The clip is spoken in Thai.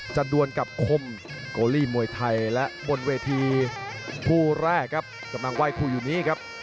ดวนกับคมโกลีมวยไทยและบนเวทีคู่แรกครับกำลังไหว้คู่อยู่นี้ครับ